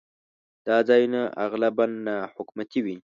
دا ځایونه اغلباً ناحکومتي وي.